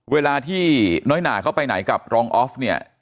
เวลาที่น้อยหนาเข้าไปไหนกับรองออฟเนี่ย